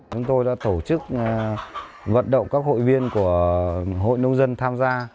chúng tôi đã tổ chức vận động các hội viên của hội nông dân tham gia